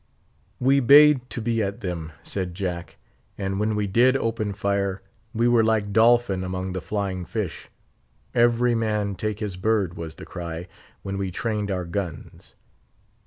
"We bayed to be at them," said Jack; "and when we did open fire, we were like dolphin among the flying fish. 'Every man take his bird' was the cry, when we trained our guns.